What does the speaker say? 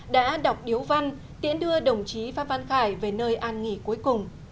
đã đọc điếu văn tiễn đưa đồng chí phan văn khải về nơi an nghỉ cuối cùng